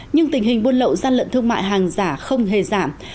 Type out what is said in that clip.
nhưng tình hình buôn lậu gian lận thương mại hàng giả không hề giảm